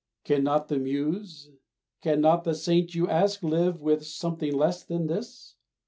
Cannot the Muse, cannot the Saint, you ask, live with something less than this?